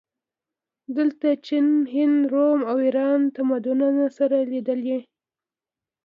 دلته د چین، هند، روم او ایران تمدنونه سره لیدلي